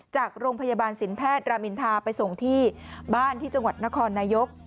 จากโรงพยาบาลสินแพทย์รามินทาไปส่งที่บ้านที่จังหวัดนครนายก